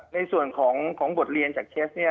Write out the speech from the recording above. ในส่วนของบทเรียนจากเชส